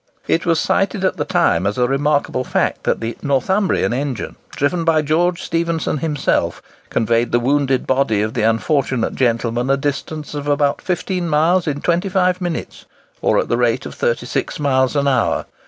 It was cited at the time as a remarkable fact, that the "Northumbrian" engine, driven by George Stephenson himself, conveyed the wounded body of the unfortunate gentleman a distance of about 15 miles in 25 minutes, or at the rate of 36 miles an hour.